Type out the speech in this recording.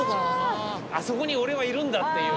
あそこに俺はいるんだっていう。